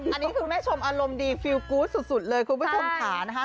อันนี้คุณแม่ชมอารมณ์ดีรู้สึกครูดสุดสุดเลยครูผู้ชมขานะคะ